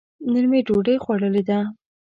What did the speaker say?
نن مو ډوډۍ خوړلې ده.